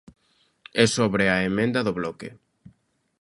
E sobre a emenda do Bloque.